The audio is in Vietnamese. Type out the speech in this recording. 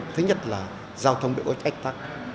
thứ nhất là giao thông bị ối tách tắc